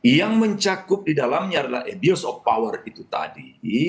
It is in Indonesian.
yang mencakup di dalamnya adalah abuse of power itu tadi